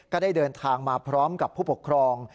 ก็ได้เดินทางมาพร้อมกับผู้ปกครอง